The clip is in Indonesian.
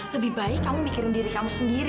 lebih baik kamu mikirin diri kamu sendiri